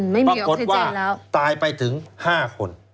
ปรากฏว่าตายไปถึง๕คน